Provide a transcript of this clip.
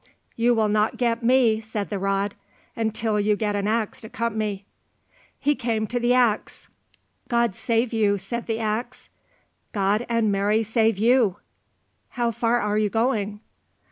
"You will not get me," said the rod, "until you get an axe to cut me." He came to the axe. "God save you," said the axe. "God and Mary save you." "How far are you going?"